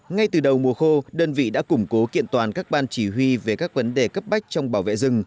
ngay từ đầu mùa khô đơn vị đã củng cố kiện toàn các ban chỉ huy về các vấn đề cấp bách trong bảo vệ rừng